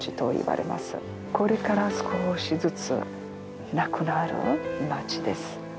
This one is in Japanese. これから少しずつなくなる町です。